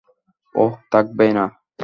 ওহ, থাকবেই না।